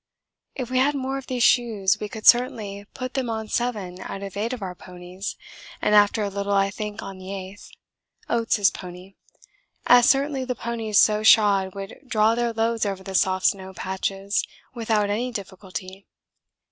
If we had more of these shoes we could certainly put them on seven out of eight of our ponies and after a little I think on the eighth, Oates' pony, as certainly the ponies so shod would draw their loads over the soft snow patches without any difficulty.